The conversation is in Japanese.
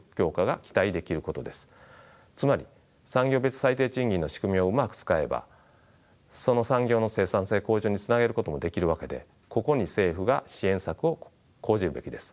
つまり産業別最低賃金の仕組みをうまく使えばその産業の生産性向上につなげることもできるわけでここに政府が支援策を講じるべきです。